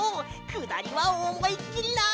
くだりはおもいっきりな！